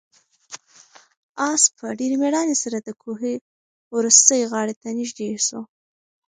آس په ډېرې مېړانې سره د کوهي وروستۍ غاړې ته نږدې شو.